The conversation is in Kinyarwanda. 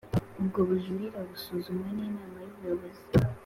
Ubwo bujurire busuzumwa n Inama y Ubuyobozi